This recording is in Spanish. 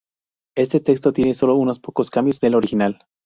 Este texto tiene sólo unos pocos cambios del original.